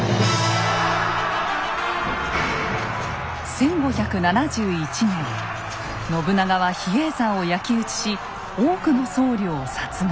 １５７１年信長は比叡山を焼き打ちし多くの僧侶を殺害。